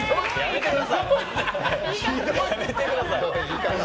やめてください。